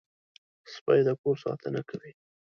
سپي د کور ساتنه کوي.